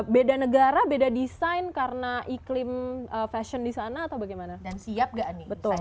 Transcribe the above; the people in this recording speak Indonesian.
beda negara beda desain karena iklim fashion di sana atau bagaimana